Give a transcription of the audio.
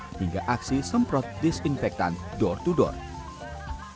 sampai akhirnya penyemprotan disinfektan menggunakan drone hingga aksi semprot disinfektan door to door